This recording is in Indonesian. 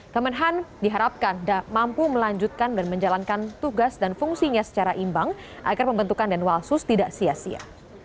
kemenhan diharapkan mampu melanjutkan dan menjalankan tugas dan fungsinya secara imbang agar pembentukan denwalsus tidak sia sia